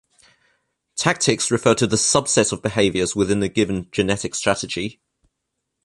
Tactics refer to the subset of behaviors within a given genetic strategy.